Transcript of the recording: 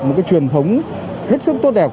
một truyền thống hết sức tốt đẹp